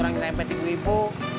terang nyari mpd ibu ibu